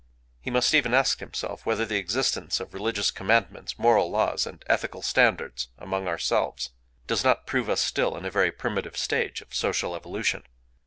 He must even ask himself whether the existence of religious commandments, moral laws, and ethical standards among ourselves does not prove us still in a very primitive stage of social evolution.